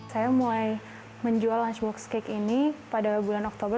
saya mulai menjual lunchbox cake ini pada bulan oktober